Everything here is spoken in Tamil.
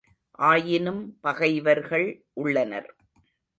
ஆயினும் பகைவர்கள் உள்ளனர்.